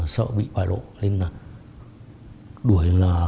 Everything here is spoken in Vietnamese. sợ bị bài lộ